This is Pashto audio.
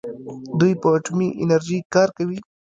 دوی په اټومي انرژۍ کار کوي.